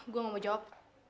gue gak mau jawab